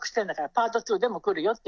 パート２でも来るよって。